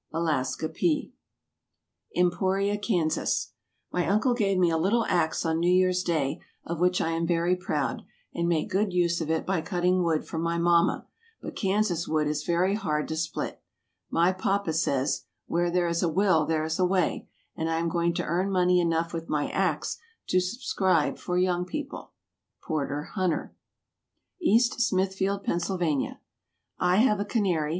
ALASKA P. EMPORIA, KANSAS. My uncle gave me a little axe on New Year's Day, of which I am very proud, and make good use of it by cutting wood for my mamma, but Kansas wood is very hard to split. My papa says, "Where there is a will there is a way," and I am going to earn money enough with my axe to subscribe for Young People. PORTER HUNTER. EAST SMITHFIELD, PENNSYLVANIA. I have a canary.